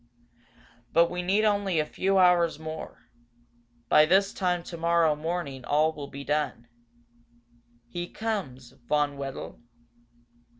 But we need only a few hours more. By this time tomorrow morning all will be done. He comes, Von Wedel?"